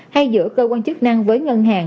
hay giữa cơ quan chức năng với ngân hàng